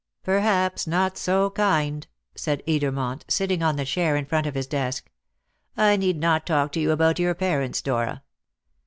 "Perhaps not so kind," said Edermont, sitting on the chair in front of his desk. "I need not talk to you about your parents, Dora."